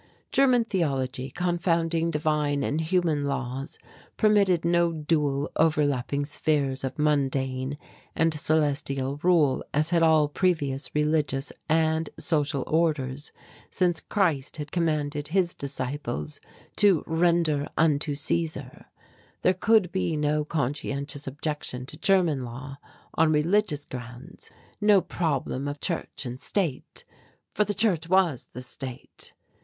German theology, confounding divine and human laws, permitted no dual overlapping spheres of mundane and celestial rule as had all previous religious and, social orders since Christ had commanded his disciples to "Render unto Caesar " There could be no conscientious objection to German law on religious grounds; no problem of church and state, for the church was the state.